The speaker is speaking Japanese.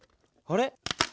あれ？